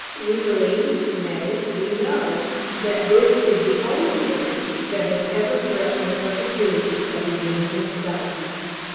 We believe nay, we know, that this is the only thing that has ever threatened the perpetuity of the Union itself....